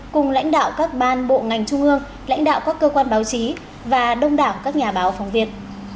cùng lãnh đạo các ban bộ ngành trung ương lãnh đạo các cơ quan báo chí và đông đảo các nhà báo phóng viên